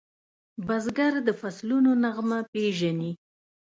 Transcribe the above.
بزګر د فصلونو نغمه پیژني